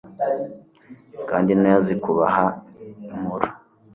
kandi intoya zikubaha inkuru.